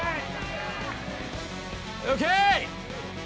・ＯＫ！